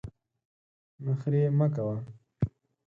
نخرې مه کوه !